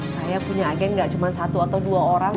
saya punya agen gak cuma satu atau dua orang